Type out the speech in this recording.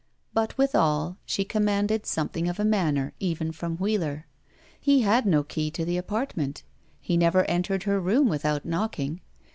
But withal, she commanded something of a manner, even from Wheeler. He had no key to the apartment. He never entered her room without knocking.